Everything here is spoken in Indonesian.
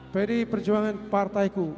tetapi perjuangan partaiku